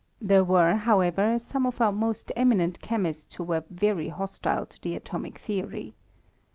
There were, however, some of our most eminent chemists who were very hostile to the atomic theory.